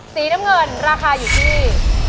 สีน้ำเงินราคาอยู่ที่